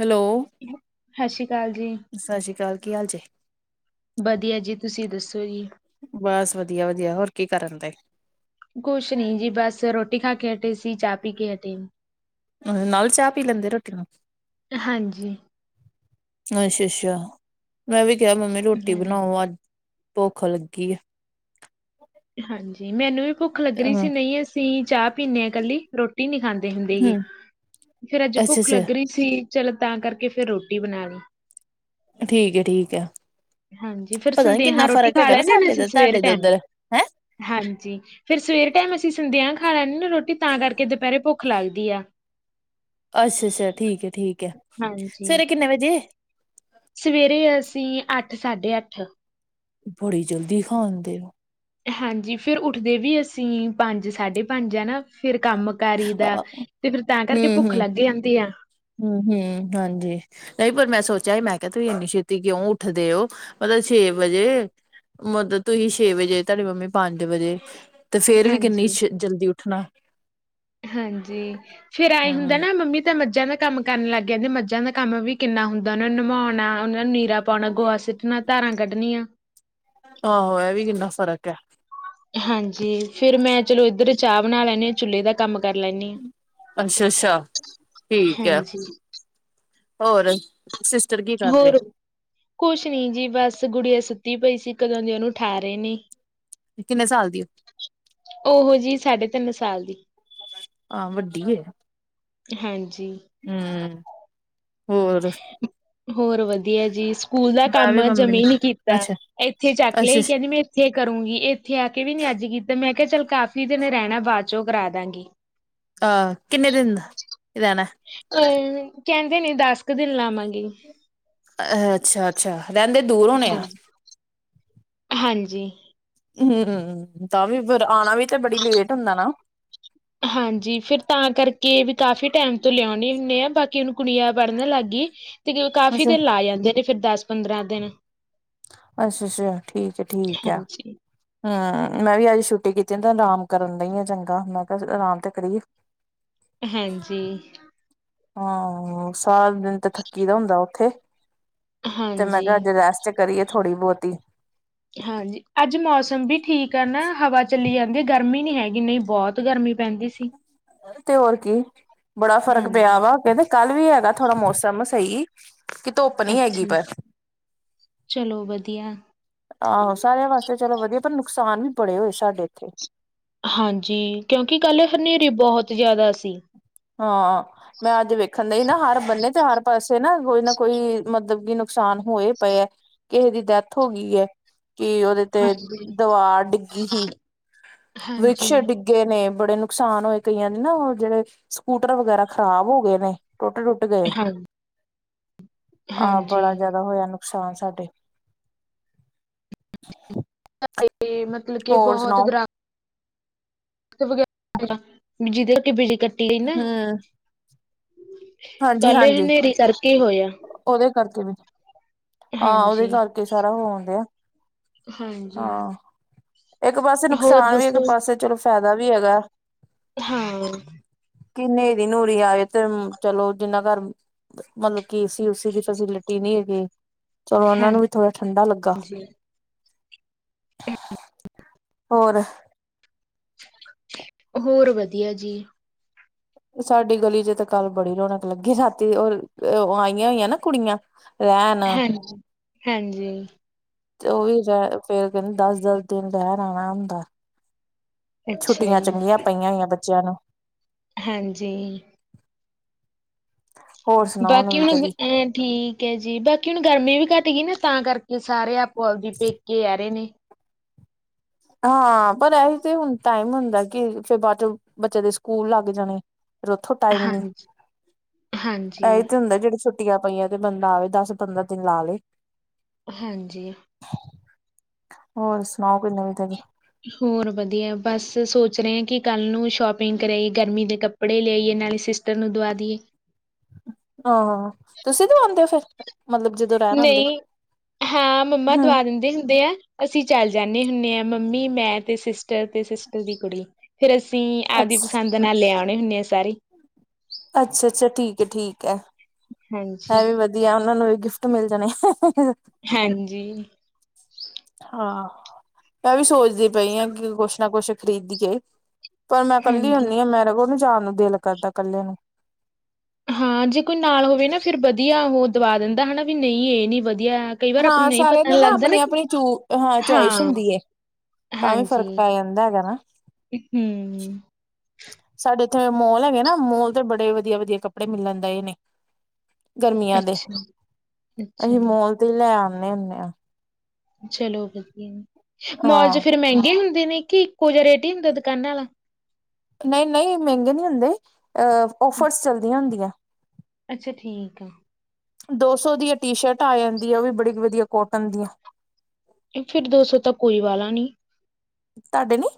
Hello ਸਤਿ ਸ਼੍ਰੀ ਅਕਾਲ ਜੀ, ਸਤਿ ਸ਼੍ਰੀ ਅਕਾਲ। ਕੀ ਹਾਲ ਚ? ਵਧੀਆ ਜੀ ਤੁਸੀਂ ਦੱਸੋ ਜੀ? ਬਸ ਵਧੀਆ ਵਧੀਆ ਹੋਰ ਕੀ ਕਰਨ ਤੇ ਕੁਛ ਨੀ ਜੀ ਬਸ ਰੋਟੀ ਨਾਕੇ ਹਟੇ ਸੀ ਚਾ ਪੀ ਕੇ ਹਟੇ ਨਾਲ ਚਾਹ ਪੀ ਲੈਂਦੇ ਰੋਟੀ ਦੇ ਹਾਂਜੀ। ਅੱਛਾ-ਅੱਛਾ ਮੈਂ ਵੀ ਕਿਹਾ ਮੰਮੀ ਰੋਟੀ ਹਾਂਜੀ। ਬਣਾਓ ਅੱਜ ਭੁਖ ਲੱਗੀ ਹੈ। ਹਾਂਜੀ ਮੈਨੂੰ ਵੀ ਭੁੱਖ ਲੱਗ ਰਹੀ ਸੀ ਨਹੀਂ ਅਸੀਂ ਚਾਹ ਪੀਨੇ ਆ ਇਕੱਲੀ ਰੋਟੀ ਰੋਟੀ ਨਹੀਂ ਖਾਂਦੇ ਹੁੰਦੇ ਗੇ ਹੂੰ ਫੇਰ ਅੱਜ ਭੁੱਖ ਅੱਛਾ-ਅੱਛਾ ਲੱਗ ਰਹੀ ਸੀ। ਚਲੋ ਤਾਂ ਕਰਕੇ ਫਿਰ ਰੋਟੀ ਬਣਾਣੀ। ਠੀਕ ਠੀਕ ਹੈ ਹਾਂਜੀ ਫੇਰ ਪਤਾ ਨੀ ਸੰਦੇਹਾ ਕਿੰਨਾ ਰੋਟੀ ਫ਼ਰਕ ਖਾ ਹੈਗਾ ਨਾ ਲੈਂਦੇ ਨੇ ਸਾਡੇ ਅਸੀਂ ਤੇ ਸਵੇਰ ਤੁਹਾਡੇ ਤੇ ਟਾਈਮ ਉੱਧਰ। ਹੈਂ ਹਾਂਜੀ, ਫਿਰ ਸਵੇ ਟਾਈਮ ਅਸੀਂ ਸੰਦੇਹਾ ਆ ਖਾਦੇ ਰੋਟੀ ਤਾਂ ਕਰਕੇ ਦੁਪਹਿਰੇ ਭੁੱਖ ਲੱਗਦੀ। ਦੀਆ ਅੱਛਾ-ਅੱਛਾ ਠੀਕ ਹੈ ਠੀਕ ਹੈ, ਹਾਂਜੀ, ਸਵੇਰੇ ਕਿੰਨੇ ਵਜੇ? ਸਵੇਰੇ ਅਸੀਂ ਅੱਠ ਸਾਢੇ ਅੱਠ ਬੜੀ ਜਲਦੀ ਖਾਦੇ ਹੋ। ਹਾਂਜੀ ਫੇਰ ਉੱਠਦੇ ਵੀ ਅਸੀਂ ਅਸੀਂ ਪੰਜ ਸਾਢੇ ਪੰਜ ਹੈ ਨਾ। ਫਿਰ ਕੰਮ ਕਰੀ ਦਾ ਤੇ ਫਿਰ ਤਾਂ ਕਰਕੇ ਭੁੱਖ ਹੂੰ-ਹੂੰ-ਹੂੰ-ਹੂੰ, ਲੱਗ ਜਾਂਦੀ ਆ ਹਾਂਜੀ ਨਹੀਂ ਪਰ ਮੈਂ ਸੋਚ ਚਏ ਮੈਂ ਕਿਹਾ ਤੁਸੀਂ ਇੰਨੀ ਛੇਤੀ ਕਿਉਂ ਉੱਠਦੇ ਹੋ ਮਤਲਬ ਛੇ ਵਜੇ ਮਤਲਬ ਤੁਸੀਂ ਛੇ ਵਜੇ ਤੁਹਾਡੀ ਮੰਮੀ ਪੰਜ ਵਜੇ ਤੇ ਫੇਰ ਵੀ ਕਿੰਨੀ ਹਾਂਜੀ ਜਲਦੀ ੳਠਣਾ ਹਾਂਜੀ ਫੇਰ ਐ ਹੁੰਦਾ ਨਾ ਮੰਮੀ ਤਾਂ ਮੱਝਾਂ ਦਾ ਕੰਮ ਕਰਨ ਲੱਗ ਜਾਂਦੀ ਮੱਝਾਂ ਦਾ ਕੰਮ ਵੀ ਕਿੰਨਾ ਹੁੰਦਾ ਉਹਨਾਂ ਨੂੰ ਨਮੌਣਾ ਉਹ ਨੂੰ ਨੀਰਾ ਪਾਉਣਾ ਗੋਹਾ ਸਿੱਟਣਾ। ਧਾਰਾਂ ਕੱਢਣੀਆਂ ਆਹੋ ਇਹ ਵੀ ਕਿੰਨਾ ਫ਼ਰਕ ਹੈ। ਹਾਂਜੀ ਫੇਰ ਮੈਂ ਚਲੋ ਇੱਧਰ ਚਾਹ ਬਣਾ ਲੈਨੀ ਹਾਂ ਚੁੱਲੇ ਦਾ ਕੰਮ ਕਰ ਲੈਂਦੀ ਹਾਂ ਅੱਛਾ-ਅੱਛਾ ਠੀਕ ਹੈ ਹਾਂਜੀ। ਹੋਰ ਸਿਸਟਰ ਕੀ ਕਰ ਰਹੇ ਹੋਰ ਕੁਛ ਨੀ ਜੀ ਬਸ ਗੁਡੀਆਂ ਸੁੱਤੀ? ਸੁੱਤੀ ਪਈ ਸੀ ਕਦੋਂ ਦੇ ਉਹਨੂੰ ਉੱਠਾ ਰਹੇ ਨੇ? ਕਿੰਨੇ ਸਾਲ ਦੀ ਹੋ? ਉਹ ਜੀ ਤਿੰਨ ਸਾਲ ਦੀ। ਵੱਡੀ ਹੈ ਹਾਂਜੀ ਹੂੰ। ਹੋਰ ਹੋਰ ਵਧੀਆ ਜੀ ਸਕੂਲ ਦਾ ਮੈਂ ਵੀ ਕੰਮ ਮੰਮੀ ਨੇ ਜਮੀ ਨੀ ਕੀਤਾ ਇੱਥੇ ਚੱਕ ਲਿਆਈ ਕਹਿੰਦੀ ਅੱਛਾ-ਅੱਛਾ-ਅੱਛਾ ਮੈਂ ਇੱਥੇ ਕਰੂੰਗੀ ਇੱਥੇ ਆ ਕੇ ਵੀ ਨੀ ਅੱਜ ਕੀਤਾ ਮੈਂ? ਕਿਹਾ ਚੱਲ ਕਾਫੀ ਦਿਨ ਰਹਿਣਾ ਬਾਅਦ 'ਚੋਂ ਕਰਾਂਦਾਗੀ ਅਹ ਕਿੰਨੇ ਦਿਨ ਰਹਿਣਾ ਹਿੰਦੇ ਨੇ ਦਸ ਕੁ ਦਿਨ ਲਾਵਾਂਗੇ। ਅ ਅੱਛਾ ਅੱਛਾ ਰਹਿੰਦੇ ਦੂਰ ਹੋਣੇ ਆ? ਜੀ। ਹੂੰ ਤਾਂਵੀ ਫਿਰ ਆਣਾ ਵੀ ਤੇ ਬੜੀ ਲੇਟ ਹੁੰਦਾ ਨਾ। ਹਾਂਜੀ ਫਿਰ ਤਾਂ ਕਰਕੇ? ਕਰਕੇ ਵੀ ਕਾਫ਼ੀ ਟਾਈਮ ਤੋਂ ਲਿਆਉਣੇ ਹੁੰਦੇ ਆ ਬਾਕੀ ਹੁਣ ਗੁਡੀਆਂ ਪੜ੍ਹਨ ਲਾਗੀ ਤੇ ਉਹ ਕਾਫੀ ਅੱਛਾ, ਦਿਨ ਲਾ ਜਾਂਦੇ ਨੇ ਫਿਰ ਦਸ ਪੰਦਰਾਂ ਦਿਨ। ਅੱਛਾ ਅੱਛਾ ਠੀਕ ਹੈ ਠੀਕ ਹੈ ਹਾਂਜੀ। ਹੂੰ। ਮੈਂ ਵੀ ਅੱਜ ਛੁੱਟੀ ਕੀਤੀ ਤੇ ਆਰਾਮ ਕਰਨ ਦਈ ਆ ਚੰਗਾ ਮੈਂ ਕਿਹਾ ਆਰਾਮ ਤਾ ਕਰੀਏ। ਹਾਂਜੀ। ਹਾਂ ਹੋਰ? ਸਾਰਾ ਦਿਨ ਤੇ ਥੱਕੀ ਦਾ ਹੁੰਦਾ ਉੱਥੇ? ਤੇ ਮੈਂ ਕਿਹਾ ਹਾਂਜੀ ਅੱਜ ਰੈਸਟ ਕਰੀਏ ਥੋੜ੍ਹੀ ਬਹੁਤੀ। ਦੀ। ਹਾਂਜੀ ਅੱਜ ਮੌਸਮ ਵੀ ਠੀਕ ਆ ਨਾ ਹਵਾ ਚੱਲੀ ਜਾਂਦੀ? ਅੱਜ ਗਰਮੀ ਨੀ ਹੈਗੀ ਨਹੀਂ ਬਹੁਤ ਗਰਮੀ ਪੈਂਦੀ ਸੀ। ਤੇ ਹੋਰ ਕੀ ਬੜਾ ਫ਼ਰਕ ਹਾਂਜੀ ਪਿਆ ਵਾ ਕਹਿੰਦੇ ਕੱਲ? ਕੱਲ ਵੀ ਹੈਗਾ ਥੋੜਾ ਮੌਸਮ ਸਹੀ।। ਕਿ ਧੁੱਪ ਨੀ ਹੈਗੀ, ਅੱਛਾ ਪਰ। ਚਲੋ ਵਧੀਆ ਆਹੋ ਸਾਰਿਆਂ ਵਾਸਤੇ ਚਲੋ ਵਧੀਆ, ਤੁਹਾਨੂੰ ਨੁਕਸਾਨ ਵੀ ਬੜੇ ਹੋਏ ਸਾਡੇ ਇੱਥੇ ਹਾਂਜੀ। ਕਿਉਂਕਿ ਕੱਲ ਹਨੇਰੀ ਬਹੁਤ ਜ਼ਿਆਦਾ ਸੀ। ਥੱਲੇ ਨਾ ਹਰ ਬੰਦੇ ਤੇ, ਹਰ ਪਾਸੇ ਨਾ ਕੋਈ ਨਾ ਕੋਈ, ਮਤਲਬ ਕਿ ਨੁਕਸਾਨ ਹੋਏ ਪਏ ਹੈ, ਕਿਹੇ ਦੀ ਡੈਥ ਹੋ ਗਈ ਹੈ। ਕਿ ਉਹਦੇ ਤੇ, ਹਾਂਜੀ ਦਵਾਰ ਡਿੱਗੀ ਸੀ ਹਾਂਜੀ ਵ੍ਰਿਸ਼ ਡਿੱਗੇ ਨੇ ਬੜੇ ਨੁਕਸਾਨ ਨੁਕਸਾਨ ਹੋਏ ਕਈਆਂ ਦੇ ਨਾ, ਉਹ ਜਿਹੜੇ ਸਕੂਟਰ ਵਗੈਰਾ ਖ਼ਰਾਬ ਹੋ ਗਏ ਨੇ। ਟੁੱਟ-ਟੁੱਟ ਗਏ। ਹਾਂ ਆ ਹਾਂਜੀ ਬੜਾ ਜਾਦਾ ਹੋਯਾ ਨੁਕ ਨੁਕਸਾਨ ਸਾਡੇ ਤੇ, ਮਤਲਬ ਕੇ ਹੋਰ ਬੋਹਤ ਸੁਣਾਓ ਦਰੱਖ ਜਿਹਦੇ ਕੀ ਬਿਜਲੀ ਕੱਟੀ ਗਈ ਨਾ ਹੂੰ। ਕੱਲ ਹਾਂਜੀ-ਹਾਂਜੀ ਹਨੇਰੀ ਕਰਕੇ ਹੋਇਆ ਓਦੇ ਕਰਕੇ ਵੀ, ਆ ਓਦੇ ਹਾਂਜੀ ਕਰਕੇ ਸਾਰਾ ਹੋਂਦਯਾ। ਹਾਂਜੀ ਹਾਂ, ਏੱਕ ਪਾਸੇ ਹੋਰ ਨੁਕਸਾਨ ਵੀ, ਏੱਕ ਦੱਸੋ ਪਾਸੇ ਚਲੋ ਫਾਏ ਦਾ ਵੀ ਹੈਗਾ ਹਾਂ। ਕਿ ਨੇਹਰੀ-ਨੂਹਰੀ ਆਵੇ ਤੇ ਚਲੋ, ਜਿੰਨਾ ਘਰ ਮਤਲਬ ਕਿ ਏਸੀ-ਓਸੀ ਦੀ ਫੈਸਿਲਿਟੀ ਨੀ ਹੈਗੀ ਚਲੋ, ਓਨਾਂ ਨੂੰ ਵੀ ਥੋੜਾ ਠੰਢਾ ਲੱਗਾ। ਹਾਂਜੀ [inaudible] ਹੋਰ? ਹੋਰ, ਵਧੀਆ ਜੀ। ਸਾਡੀ ਗਲੀ'ਚ ਤਾਂ ਕੱਲ ਬੜੀ ਰੌਣਕ ਲੱਗੀ, ਰਾਤੀ ਔਰ ਓ ਆਈਆਂ ਹੋਈਐਂ ਨਾ ਕੁੜੀਆਂ। ਰੈਨ ਹਾਂਜੀ ਹਾਂਜੀ। ਤੇ, ਓਵੀ ਰੈ ਫੇਰ ਕੈਂਦੀ ਦੱਸ-ਦੱਸ ਦਿਨ ਰਹਿਨ ਆਨਾ ਹੁੰਦਾ। ਅੱਛਾ ਛੁੱਟੀਆਂ ਜੀ ਚੰਗੀਆਂ ਪਈਆਂ ਹੋਈਆਂ, ਬੱ ਜਾਨਾ ਹਾਂਜੀ। [inaudible] ਬਾਕੀ ਨਵੀ ਹੁਨ ਤਾਜੀ ਐਂ ਠੀਕ ਹੈ ਜੀ। ਬਾਕੀ ਹੁਨ ਗਰਮੀ ਵੀ ਘੱਟ [unintelligible] ਤਾਂ ਕਰਕੇ ਸਾਰੇ ਆਪ ਓ ਆਵਦੀ ਪੇਕੇ ਆਰੇ ਨੇ। ਹਾਂ, ਪਰ ਏਹੀ ਤੇ ਹੁਨ ਟਾਈਮ ਹੁੰਦਾ ਕਿ, ਫੇਰ ਬਾਦ'ਚੋ ਬੱਚਿਆ ਦੇ ਸਕੂਲ ਲੱਗ ਜਾਣੇ। ਫੇਰ ਓੱਥੋ ਟਾਈਮ ਈ ਨੀ, ਹਾਂਜੀ, ਐਈ ਹਾਂਜੀ, ਤੇ ਹੁੰਦਾ ਜੇੜੇ ਛੁਟ ਛੁੱਟੀਆਂ ਪਈਆਂ, ਤੇ ਬੰਦਾ ਆਵੇ, ਦਸ-ਪੰਦਰਾ ਦਿਨ ਲਾ ਲੇ। ਹਾਂਜੀ। ਹੋਰ ਸੁਨਾਓ, ਕੋਈ ਨਵੀ [unintelligible] ਹੋਰ ਵਧੀਆ। ਬਸ, ਸੋਚ ਰਏ ਆ ਕਿ ਕੱਲ ਨੂੰ ਸ਼ੋਪਿੰਗ ਕਰ ਆਈਏ, ਗਰਮੀ ਦੇ ਕੱਪੜੇ ਲੇ ਆਈਏ, ਨਾਲੇ ਸਿਸਟਰ ਨੂੰ ਦਵਾ ਦਇ ਏ। ਹਾਂ, ਤੁਸੀ ਦਵਾਂਦੇਂ ਹੋ ਫੇਰ? ਨਈ, ਹਾਂ, ਮੰਮਾ ਹਮ ਦਵਾ ਦਿੰਦੇ ਹੁੰਦੇ ਐ। ਅਸੀ ਚੱਲ ਜਾਨੇ ਅਸੀਂ ਹੁਨੇ ਐ। ਮੰਮੀ, ਮੈਂ, ਤੇ ਸਿਸਟਰ, ਤੇ ਸਿਸਟਰ ਦੀ ਕੁੜੀ। ਫਿਰ ਅਸੀਂ ਆਦਿ ਅੱਛਾ ਪਸੰਦ ਨਾਲ ਲਿਆ ਦੇ ਵੇ ਹੁਣੇ ਅਸ ਅੱਛਾ ਅੱਛਾ ਠੀਕ ਠੀਕ ਹੈ ਹਾਂਜੀ, ਇਹ ਵੀ ਵਧੀਆ ਉਹਨਾਂ ਨੂੰ ਵੀ ਗਿਫਟ ਮਿਲ ਜਾਣੇ। ਹਾਂਜੀ ਹਾਂ ਮੈਂ ਵੀ ਸੋਚਦੀ ਪਈ ਹਾਂ, ਕਿ ਕੁਛ ਨਾ ਕੁਛ ਖ਼ਰੀਦੀਏ। ਪਰ ਮੈਂ ਕੱਲੀ ਹਾਂਜੀ ਹੁੰਦੀ ਹਾਂ ਮੈਂਰੇ ਕੋਲ ਨੀ ਜਾ ਦਿਲ ਕਰਦਾ ਕੱਲੇ ਨੂੰ ਹਾਂ ਜੇ ਕੋਈ ਨਾਲ ਹੋਵੇ ਨਾ ਫਿਰ ਬਦ ਵਧੀਆ ਉਹ ਦਵਾ ਦਿੰਦਾ ਹੈਨਾ ਵੀ ਨਹੀਂ ਇਹ ਨੀ ਵਧੀਆ ਕਈ ਵਾਰ ਆਪਾਂ ਨੂੰ ਹਾਂ ਨਹੀਂ ਸਾਰਿਆਂ ਪਤਾ ਦੇ ਨਾ ਲੱਗਦਾ ਆਪਣੀ ਕਿ ਆਪਣੀ ਚੂ ਹਾਂ ਚੋਇਸ ਹੁੰਦੀ ਹੈ, ਤਾਂ ਵੀ ਹਾਂਜੀ ਫ਼ਰਕ ਪੈ ਜਾਂਦਾ ਹੈਗਾ ਨਾ। ਹੂੰ ਸਾਡੇ ਔਥੇ ਮੋਲ ਹੈਗੇ ਨਾ ਮੋਲ ਤੇ ਬੜੇ ਵਧੀਆ ਵਧੀਆ ਕੱਪੜੇ ਮਿਲਨ ਦਏ ਨੇ। ਗਰਮੀਆਂ ਦੇ, ਅੱਛਾ ਅੱਛਾ ਅਸੀਂ ਜੀ ਮੋਲ ਤੇ ਲੈ ਆਉਦੇ ਨੇ ਹੁੰਦੇ ਆਂ ਚਲੋ ਵਧੀਆ ਮੌਲ ਚ ਹਾਂ ਫਿਰ ਮਹਿੰਗੇ ਹੁੰ ਜਿਵੇਂ ਕਿ ਕੁਜਾ ਰੇਟੀ ਹੁੰਦਾ, ਦੁਕਾਨਾਂ ਵਾਲਾ ਨਹੀਂ-ਨਹੀਂ ਮਹਿੰਗੇ [inaudible] [unintelligible] ਔਫਰਸ ਚੱਲਦੀਆਂ ਹੁੰਦੀਆਂ ਅੱਛਾ ਠੀਕ ਆ ਦੋ ਸੌ ਦੀਆਂ ਟੀ ਸ਼ਰਟਾਂ ਆ ਜਾਂਦੀ ਹੈ ਉਹ ਵੀ ਬੜੀ ਵਧੀਆ ਕੋਟਨ ਦੀਆਂ। ਐਥੈ ਇਕ ਦੋ ਸੌ ਤੱਕ ਕੋਈ ਵਾਲਾ ਨਹੀਂ। ਤੁਹਾਡੇ ਨੀ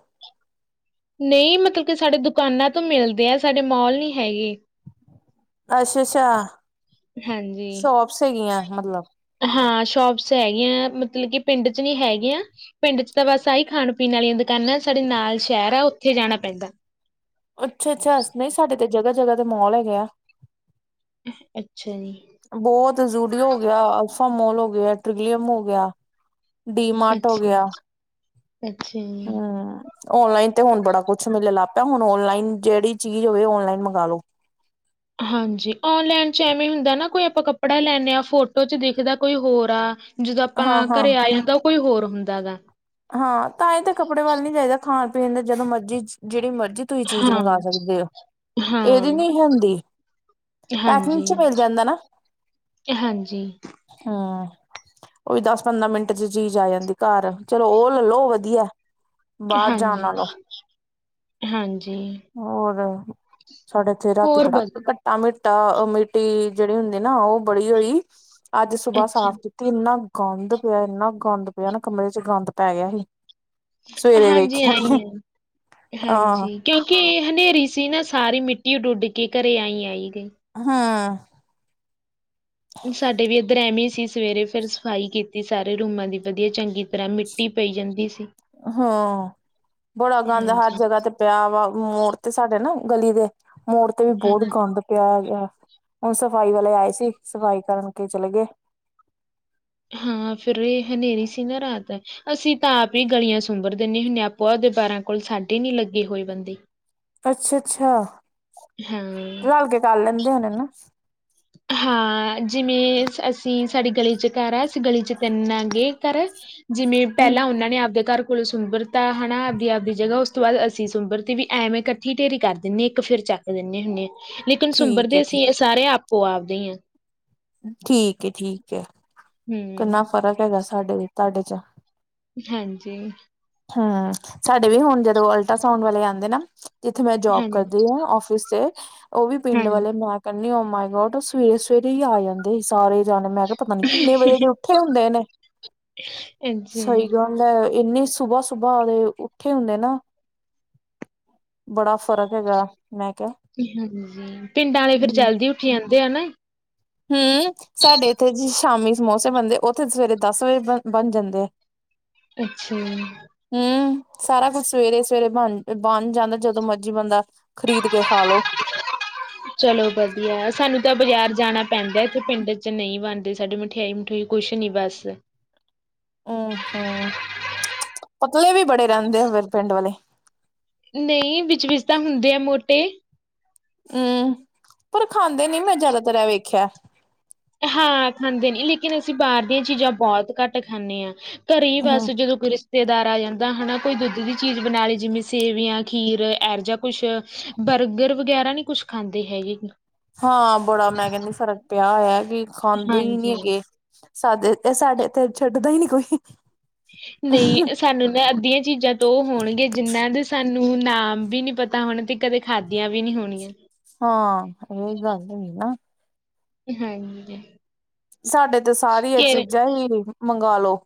ਨਹੀਂ ਮਤਲਬ ਕਿ ਸਾਡੇ ਦੁਕਾਨਾਂ ਤੋਂ ਮਿਲਦੇ ਆ ਸਾਡੇ ਮੌਲ ਨੀ ਹੈਗੇ। ਅੱਛਾ ਅੱਛਾ ਹਾਂਜੀ ਸ਼ੋਪਸ ਹੈਗੀਆਂ ਮਤਲਬ ਹਾਂ ਸ਼ੋਪਸ ਹੈਗੀਆਂ ਮਤਲਬ ਕਿ ਪਿੰਡ ਚ ਨੀ ਹੈਗੀਆਂ ਪਿੰਡ ਚ ਤਾਂ ਬਸ ਆਹੀ ਖਾਣ ਪੀਣ ਵਾਲੀਆਂ ਦੁਕਾਨਾਂ ਸਾਡੇ ਨਾਲ ਸ਼ਹਿਰ ਆ ਉੱਥੇ ਜਾਣਾ ਪੈਂਦਾ। ਅੱਛਾ ਅੱਛਾ ਨਹੀਂ ਸਾਡੇ ਤੇ ਜਗ੍ਹਾ ਜਗ੍ਹਾ ਤੇ ਮੋਲ ਹੈਗੇ ਆ। ਇਹ ਬਹੁਤ ਜ਼ੂਡੀਓ ਹੋ ਗਿਆ । ਮੋਲ ਹੋ ਗਿਆ ਟ੍ਰਲੀਅਮ ਹੋ ਗਿਆ। ਡੀਮਾਰਟ ਹੋ ਅੱਛਾ ਗਿਆ ਅੱਛਾ ਜੀ। ਹਮ ਔਨਲਾਈਨ ਤੇ ਹੁਣ ਬੜਾ ਕੁਛ ਮਿਲਣ ਲੱਗ ਹੁਣ ਔਨਲਾਈਨ ਜਿਹੜੀ ਚੀਜ਼ ਹੋਵੇ ਔਨਲਾਈਨ ਮੰਗ ਲਓ। ਹਾਂਜੀ ਔਨਲਾਈਨ ਚ ਐਵੇਂ ਹੁੰਦਾ ਨਾ ਕੋਈ ਆਪਾਂ ਕੱਪੜਾ ਲੈਂਦੇ ਹਾਂ ਫੋਟੋ ਚ ਦੇਖਦਾ ਕੋਈ ਹੋਰ ਆ। ਜਦੋਂ ਆਪਾਂ ਹਾਂ-ਹਾਂ ਘਰੇ ਹਾਂ ਆਏ ਹੁੰ ਤਾਂ ਉਹ ਕੋਈ ਹੋਰ ਹੁੰਦਾ ਦਾ। ਹਾਂ ਤਾਂ ਇਹ ਤਾਂ ਕੱਪੜੇ ਵੱਲ ਨੀ ਚਾਹੀਦਾ ਖਾਣ ਪੀਣ ਦੇ ਜਦੋਂ ਮਰਜੀੀ ਜਿਹੜੀ ਮਰਜ਼ੀ ਤੁਸੀਂ ਚੀਜ਼ ਹਾਂ ਮੰਗਵਾ ਸਕਦੇ ਹੋ ਇਹਦੀ ਹਾਂ ਨੀ ਹੁੰਦੀ ਪੈਕਿੰਗ ਹਾਂਜੀ ਚ ਮਿਲ ਜਾਂਦਾ ਨਾ ਹਾਂਜੀ ਹਮ ਉਹ ਵੀ ਦਸ ਪੰਦਰਾਂ ਮਿੰਟ ਚ ਚੀਜ਼ ਆ ਜਾਂਦੀ ਘਰ ਚਲੋ ਉਹ ਲੈਲੋ ਵਧੀਆ। ਬਾਹਰ ਜਾਣ ਹਾਂਜੀ ਨਾਲੋ ਹਾਂਜੀ ਹੋਰ ਸਾਡੇ ਇੱਥੇ ਰਾਤੀ ਹੋਰ ਬੜਾ ਬ ਘੱਟਾ ਮਿੱਟੀ। ਘੱਟਾ ਮਿੱਟੀ ਜਿਹੜੀ ਹੁੰਦੀ ਨਾ ਉਹ ਬੜੀ ਹੋਈ ਅੱਜ ਸੁਬਾਹ ਅੱਛਾ ਸਾਫ਼ ਕੀਤੀ ਇੰਨਾ ਗੰਦ ਪਿਆ ਇੰਨਾ ਗੰਦ ਪਿਆ ਨਾ ਕਮਰੇ ਚ ਚ ਗੰਦ ਪੈ ਗਿਆ ਸੀ। ਸਵੇਰੇ ਹਾਂਜੀ ਵੇਖਿਆ ਤੇ ਆਈ ਹੈ ਆਹ ਹਾਂਜੀ ਕਿਉਂਕਿ ਇਹ ਹਨੇਰੀ ਸੀ ਨਾ ਸਾਰੀ ਮਿੱਟੀ। ਇਹਨੂੰ ਉਡੀਕ ਕਰ ਕੇ ਘਰੇ ਆਈਂ । ਹਾਂ ਸਾਡੇ ਵੀ ਇਧਰ ਐਵੇ ਸੀ ਸਵੇਰੇ ਫਿਰ ਸਫ਼ਾਈ ਕੀਤੀ ਸਾਰੇ ਰੂਮਾਂ ਦੀ ਵਧੀਆ ਚੰਗੀ ਤਰ੍ਹਾਂ ਮਿੱਟੀ ਪਈ ਜਾਂਦੀ ਸੀ। ਹਾਂ ਬੜਾ ਗੰਦ ਹਰ ਹਾਂਜੀ, ਜਗ੍ਹਾ ਤੇ ਪਿਆ ਵਾ ਮੋੜ ਤੇ ਸਾਡੇ ਨਾ ਗਲੀ ਦੇ ਮੋੜ ਤੇ ਵੀ ਬਹੁਤ ਹਾਂਜੀ ਗੰਦ ਪਿਆ ਹੈਗਾ । ਹੁਣ ਸਫ਼ਾਈ ਵਾਲੇ ਆਏ ਸੀ ਸਫ਼ਾਈ ਕਰਕੇ ਚਲੇ ਗਏ। ਹਾਂ ਫਿਰ ਇਹ ਹਨੇਰੀ ਸੀ ਨਾ ਰਾਤ ਅਸੀਂ ਤਾਂ ਆਪ ਹੀ ਗਲੀਆਂ ਸੁੰਬਰ ਦਿੰਨੇ ਹੁਨੇ ਆ ਆਪੋ ਉਹਦੇ ਬਾਰਾਂ ਕੋਲ ਸਾਡੇ ਨਹੀਂ ਲੱਗੇ ਹੋਏ ਬੰਦੇ। ਅੱਛਾ ਅੱਛਾ ਹਾਂ। ਰਲ ਕੇ ਕਰ ਲੈਂਦੇ ਹੋਣੇ ਹਨ ਨਾ ਹਾਂ ਜਿਵੇਂ ਅਸੀਂ ਸਾਡੀ ਗਲੀ ਚ ਘਰ ਆ ਅਸੀਂ ਗਲੀ ਏਨੇ ਮੈਂਗੇ ਘਰ ਜਿਵੇਂ ਹੂੰ ਪਹਿਲਾਂ ਉਹਨਾਂ ਨੇ ਆਪਦੇ ਘਰ ਕੋਲ ਸੁੰਬਦਰਰਤਾ ਹੈਾ ਆਪਦੀ ਆਪਦੀ ਜਗ੍ਹਾ ਉਸ ਤੋਂ ਬਾਅਦ ਅਸੀਂ ਸੁੰਬਰਤੀ ਵੀ ਐਵੇਂ ਇਕੱਠੀ ਢੇਰੀ ਕਰ ਦਿੰਦੇ ਹਾਂ ਇੱਕ ਫਿਰਰ ਚੱਕ ਦਿੰਦੇ ਹੁੰਦੇ ਹਾਂ ਲੇਕਿਨ ਸੁੰਬਰ ਠੀਕ ਹੈ ਦੇ ਠੀਕ ਅਸੀਂ ਸਾਰੇ ਆਪ ਉਹ ਆਪਦੇ ਆ। ਠੀਕ ਹੈ- ਠੀਕ ਹੈ। ਹਮ ਕਿੰਨਾ ਫ਼ਰਕ ਹੈ। ਸਾਡੇ ਤੁਹਾਡੇ ਚ। ਹਾਂਜੀ। ਹਾਂ। ਸਾਡੇ ਵੀੁਣ ਕਦੋਂ ਅਲਟਰਾਸਾਂਡ ਵਾਲੇ ਆਂਦੇ ਦੇ ਨਾ ਜਿੱਥੇ ਮੈਂ ਜੋਬ ਹਾਂਜੀ ਕਰਦੀ ਹਾਂ ਆਫਿਸ ਤੇ ਉਹ ਵੀ ਪਿੰਡ ਹਾਂਜੀ ਵਾਲੇ ਨਾ ਕਰ ਓ ਮਾਈ ਗੋਡ ਸਵੇਰੇ ਸਵੇਰੇ ਹੀ ਆ ਜਾਂਦੇ ਸੀ ਸਾਰੇ ਜਾਣੇ ਮੈਂ ਪਤਾ ਨੀ ਕਿੰਨੇ ਵਜੇ ਦੇ ਉੱਠੇ ਹੁੰਦੇ ਨੇ ਅੱਛਾ ਸਹੀ ਗੱਲ ਹੈ ਇੰਨੀ ਸੁਬਾਹ ਸੁਬਾਹ ਉਹਦੇ ਉੱਠੇ ਹੁੰਦੇ ਨਾ ਬੜਾ ਫ਼ਰਕ ਹੈਗਾ। ਮੈਂ ਕਿਹਾ ਪਿੰਡਾਂ ਵਾਲੇ ਫਰ ਜਲਦੀ ਉੱਠੀ ਜਾਂਦੇ। ਦੇ ਨਾ। ਹਮ ਸਾਡੇ ਇੱਥੇ ਜੀ ਸ਼ਾਮੀ ਮੌਸਮ ਬੰਦੇ ਉੱਥੇ ਸਵੇਰੇ ਦਸ ਵਜੇ ਬ ਬਣ ਜਾਂਦੇ ਆ। ਅੱਛਾ। ਹੂੰ, ਸਾਰਾ ਕੁੱਝ ਸਵੇਰੇ -ਸਵੇਰੇ, ਬਣ- ਬਣ ਜਾਂਦਾ ਜਦੋਂ ਮਰਜ਼ੀ ਬਦਾ ਚਲੋ ਵਧੀਆ ਸਾਨੂੰ ਤਾਂ ਬਾਜ਼ਾਰ ਜਾਣਾ ਪੈਂਦਾ ਇੱਥੇ ਪਿੰਡ ਚ ਨਹੀਂ ਬਣਦੇ ਸਾਡੀੇ ਮਠਿਆਈ, ਮਠਈ ਕੁਛ ਨੀ ਬਸ ਹਮ -ਹਮ। ਲੇ ਵੀ ਬੜੇ ਰਹਿੰਦੇ ਆ ਫਿਰ ਪਿੰਡ ਵਾਲੇ ਨਹੀਂ ਵਿੱਚ ਵਿਚ ਤਾਂ ਹੁੰਦੇ ਆ ਮੋ ਤੇ। ਹਮ ਪਰ ਖਾਂਦੇ ਨੀ ਮੈਂ ਜ਼ਿਆਦਾਤਰਰ ਐ ਵੇਖਿਆ। ਹਾਂ ਖਾਂਦੇ ਨੀ ਲੇਕਿਨ ਅਸੀਂ ਬਾਹਰ ਦੀਆਂ ਚੀਜ਼ਾਂ ਬਹੁਤ ਘੱਟ ਖਾਂਦੇ ਹਾਂ। ਘਰੇ ਹੀ ਬਸ ਹੂੰ। ਜਦੋਂ ਕੋਇ ਰਿਸ਼ਤੇਦਾਰ ਆ ਜਾਂਦਾ ਹਨਾ ਕੋਈ ਦੁੱਧ ਦੀ ਚੀਜ਼ ਬਣਾ ਲਈ ਜਿਵੇਂ ਸੇਵੀਆਂ, ਖੀਰ ਐਰ ਜਾ ਕੁਛ ਬਰਗਰ ਵਗੈਰਾ ਨਹੀਂ। ਕੁਛ ਖਾਂਦੇ ਹੈਗੇ। ਹਾਂ ਬੜਾ ਮੈਂ ਕਹਿੰਦੀ ਫ਼ਰਕ ਪਿਆ ਹੋਇਆ। ਖਾਂਦੇ ਹੀ ਨਹੀਂ ਹਾਂਜੀ। ਹੈਗੇ। ਸਾਡ ਇਹ ਸਾਡੇ ਤੇ ਛੱਡਦਾ ਹੀ ਨੀ ਕੋਈ। ਨਹੀਂ ਸਾਨੂੰ ਨਾ ਅੱਧੀਆਂ ਚੀਜ਼ਾਂ ਤੋਂ ਉਹ ਹੋਣਗੇ ਜਿੰਨਾਂ ਦੇ ਸਾਨੂੰ ਨਾਮ ਵੀ ਨੀ ਪਤਾ ਹੋਣਾ ਤੇ ਕਦੇ ਖਾਦੀਆਂ ਵੀ ਨੀ ਹੋਣੀਆਂ ਹਾਂ ਇਹੀਓ ਗੱਲ ਹੁੰਦੀ ਨਾ ਹਾਂਜੀ ਸਾਡੇ ਤੇ ਸਾਰੀਆਂ ਘੇਰੇ ਚੀਜ਼ਾਂ ਹੀ ਮੰਗਾਲੋ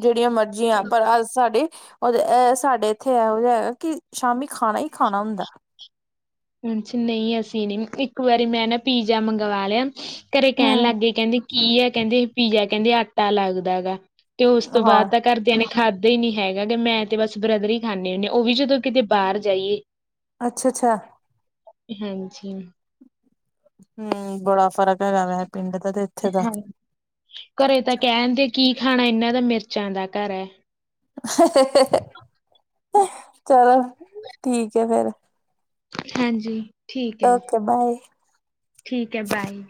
ਜਿਹੜੀਆਂ ਮਰਜ਼ੀਆਂ ਪਰ ਅੱਜ ਸਾਡੇ ਉਹ ਸਾਡੇ ਇੱਥੇ ਹੈ ਉਹ ਹੈਗਾ ਕਿ ਸ਼ਾਮੀ ਖਾਣਾ ਹੀ ਖਾਣਾ ਹੁੰਦਾ ਅ ਨਹੀਂ ਅਸੀਂ ਨੀ ਇੱਕ ਵਾਰੀ ਮੈਂ ਨਾ ਪੀਜ਼ਾ ਮੰਗਵਾ ਲਿਆ ਘਰੇ ਕਹਿਣ ਹੂੰ, ਲਾਗੇ ਕਹਿੰ ਕੀ ਆ ਕਹਿੰਦੇ ਪੀਜ਼ਾ ਕਹਿੰਦੇ ਆਟਾ ਲੱਗਦਾ ਗਾ ਤੇ ਉਸ ਤੋਂ ਬਾਅਦ ਤਾਂ ਘਰ ਦਿਆਂ ਨੇ ਖਾਦਾ ਹੀ ਨਹੀਂ ਹੈਗਾ ਮੈਂ ਤੇ ਬਸ ਬ੍ਰਦਰ ਹੀ ਖਾਂਦੇ ਹੁੰਦੇ ਹਾਂ ਉਹ ਵੀ ਜਦੋਂ ਕਿਤੇ ਬਾਹਰ ਜਾਈਏ ਅੱਛਾ ਅੱਛਾ ਹਾਂਜੀ ਹੂੰ ਬੜਾ ਫ਼ਰਕ ਹੈਗਾ ਪਿੰਡ ਦਾ ਤੇ ਇੱਥੇ ਦਾ। ਹਾਂ ਘਰੇ ਤਾਂ ਕਹਿਣ ਦੇ ਕੀ ਖਾਣਾ ਇਨਾ ਦਾ ਮਿਰਚਾਂ ਦਾ ਘਰ ਹੈ ਚਲੋ ਠੀਕ ਹੈ ਫੇਰ ਹਾਂਜੀ ਠੀਕ ਹੈ ਜੀ ਓਕੇ ਬਾਏ। ਠੀਕ ਹੈ ਬਾਏ